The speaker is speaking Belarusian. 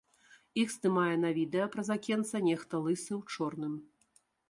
Іх здымае на відэа праз акенца нехта лысы ў чорным.